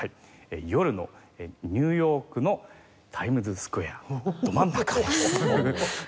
夜のニューヨークのタイムズスクエアのド真ん中です。